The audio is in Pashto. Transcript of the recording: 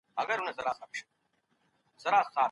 هرات ولي د احمد شاه ابدالي د امپراتورۍ لپاره اړین و؟